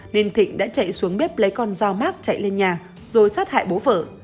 nên thịnh đã chạy xuống bếp lấy con dao mát chạy lên nhà rồi sát hại bố vợ